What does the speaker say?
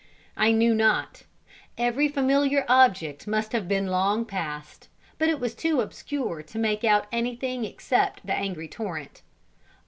I knew not. Every familiar object must have been long passed, but it was too obscure to make out anything except the angry torrent.